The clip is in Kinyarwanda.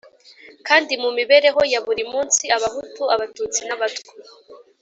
kandi mu mibereho ya buri munsi, abahutu, abatutsi n'abatwa